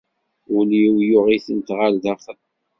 Ul-iw yuɣ-itent ɣer daxel.